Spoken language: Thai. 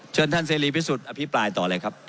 เชิญท่านเสรีพิสุทธิ์อภิปรายต่อเลยครับ